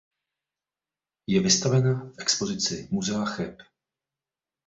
Je vystavena v expozici Muzea Cheb.